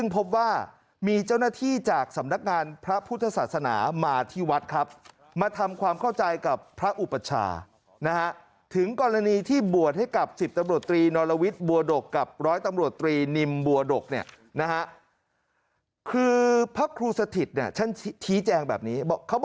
พบว่ามีเจ้อหน้าที่จากสำนักงานพระพุทธศาสนามาที่วัดครับมาทำความเข้าใจกับพระอุปัชฌานะถึงกรณีที่บวชให้กับ๑๐ตำรวจตรี